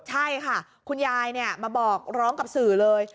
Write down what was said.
ใช่ค่ะคุณยายมาบอกร้องกับสื่อเลย